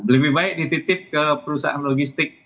lebih baik dititip ke perusahaan logistik